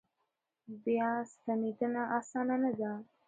بیا ستنېدنه اسانه نه ده.